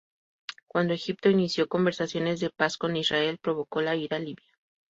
Cuando Egipto inició conversaciones de paz con Israel, provocó la ira libia.